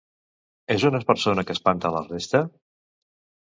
És una persona que espanta la resta?